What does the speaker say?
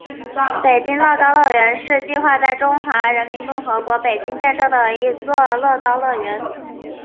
北京乐高乐园是计划在中华人民共和国北京建设的一座乐高乐园。